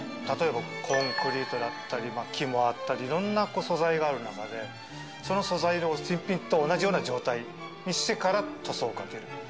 例えばコンクリートだったり木もあったりいろんな素材がある中でその素材を新品と同じような状態にしてから塗装をかける。